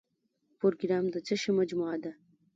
پروګرام د څه شی مجموعه ده؟